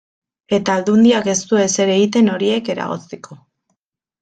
Eta Aldundiak ez du ezer egiten horiek eragozteko.